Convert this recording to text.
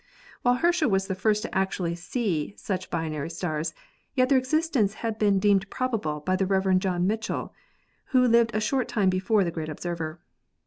While Herschel was the first actually to see such binary stars, yet their existence had been deemed probable by the Rev. John Michell, who lived a short time before the great observer.